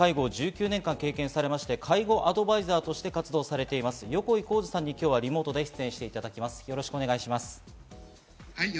ご両親の介護を１９年間経験されまして、介護アドバイザーとして活動されている横井孝治さんに今日はリモートで出演していただきます。